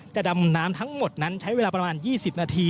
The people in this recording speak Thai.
ดำน้ำทั้งหมดนั้นใช้เวลาประมาณ๒๐นาที